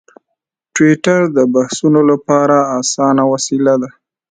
ټویټر د بحثونو لپاره اسانه وسیله ده.